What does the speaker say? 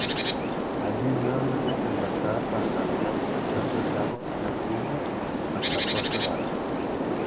Allí nuevamente se embarcaba para navegar cruzando el lago Llanquihue hasta Puerto Varas.